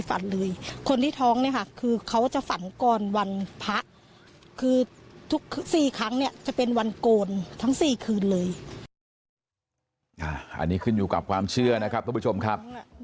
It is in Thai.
อันนี้ขึ้นอยู่กับความเชื่อนะครับทุกผู้ชมครับ